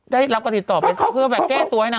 ได้รับการติดต่อไปแก้ตัวให้นางไป